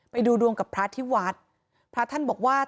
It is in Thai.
มีเรื่องอะไรมาคุยกันรับได้ทุกอย่าง